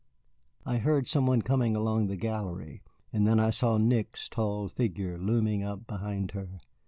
I heard some one coming along the gallery, and then I saw Nick's tall figure looming up behind her.